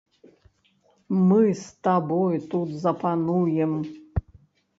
Мы з табой тут запануем.